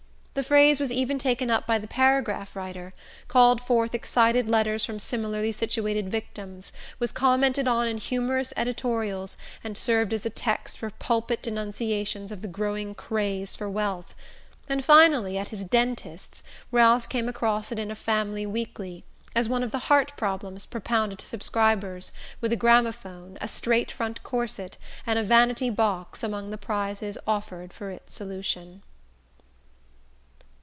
The phrase was even taken up by the paragraph writer, called forth excited letters from similarly situated victims, was commented on in humorous editorials and served as a text for pulpit denunciations of the growing craze for wealth; and finally, at his dentist's, Ralph came across it in a Family Weekly, as one of the "Heart problems" propounded to subscribers, with a Gramophone, a Straight front Corset and a Vanity box among the prizes offered for its solution.